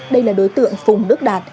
đây là đối tượng phùng đức đạt